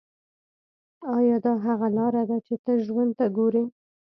ایا دا هغه لاره ده چې ته ژوند ته ګورې